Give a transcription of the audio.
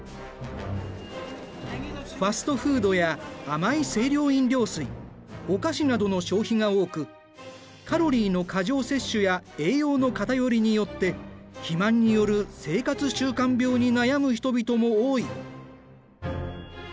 ファストフードや甘い清涼飲料水お菓子などの消費が多くカロリーの過剰摂取や栄養の偏りによって肥満による生活習慣病に悩む人々も多い。